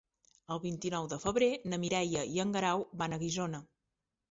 El vint-i-nou de febrer na Mireia i en Guerau van a Guissona.